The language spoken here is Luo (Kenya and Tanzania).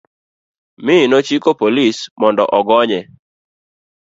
mi nochiko polis mondo ogonye